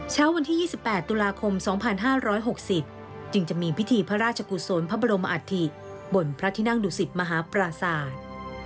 เช้าวันที่๒๘ตุลาคม๒๕๖๐จึงจะมีพิธีพระราชกุศลพระบรมอัฐิบนพระที่นั่งดุสิตมหาปราศาสตร์